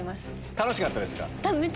楽しかったですか？